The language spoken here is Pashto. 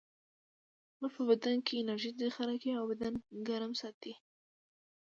غوړ په بدن کې انرژي ذخیره کوي او بدن ګرم ساتي